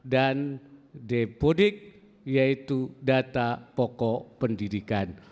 dan depodik yaitu data pokok pendidikan